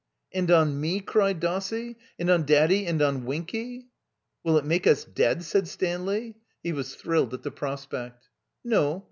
"And on me?" cried Dossie. "And on Daddy and on Winky?" "Will it make us deadV said Stanley. He was thrilled at the prospect. "No.